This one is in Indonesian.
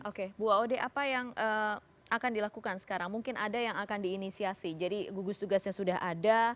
oke bu audi apa yang akan dilakukan sekarang mungkin ada yang akan diinisiasi jadi gugus tugasnya sudah ada